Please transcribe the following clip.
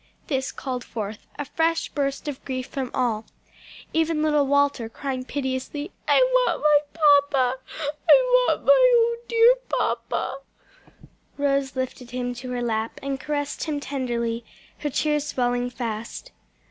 This called forth a fresh burst of grief from all, even little Walter crying piteously, "I want my papa! I want my own dear papa!" Rose lifted him to her lap and caressed him tenderly, her tears falling fast.